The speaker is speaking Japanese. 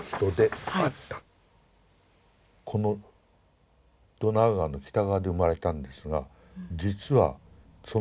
このドナウ川の北側で生まれたんですが実はそのおじいさん